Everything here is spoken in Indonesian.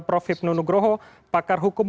prof hipnu nugroho pakar hukum